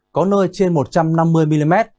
có nơi trên một trăm năm mươi mm